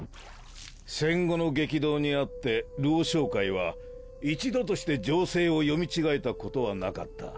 戦後の激動にあって「ルオ商会」は一度として情勢を読み違えたことはなかった。